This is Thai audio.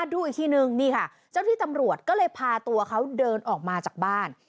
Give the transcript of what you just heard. ดูอีกทีนึงนี่ค่ะเจ้าที่ตำรวจก็เลยพาตัวเขาเดินออกมาจากบ้าน